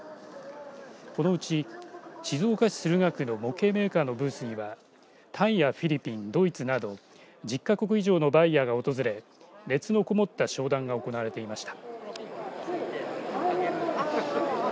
このうち静岡市駿河区の模型メーカーのブースにはタイやフィリピン、ドイツなど１０か国以上のバイヤーが訪れ熱のこもった商談が行われていました。